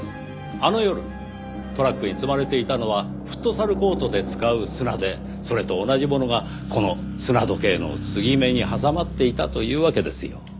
あの夜トラックに積まれていたのはフットサルコートで使う砂でそれと同じものがこの砂時計の継ぎ目に挟まっていたというわけですよ。